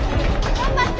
頑張って！